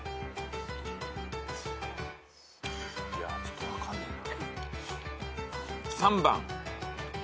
いやちょっと分かんねえな。